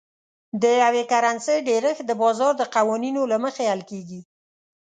د یوې کرنسۍ ډېرښت د بازار د قوانینو له مخې حل کیږي.